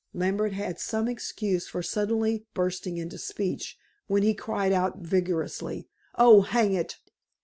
Lambert had some excuse for suddenly bursting into speech, when he cried out vigorously: "Oh, hang it!"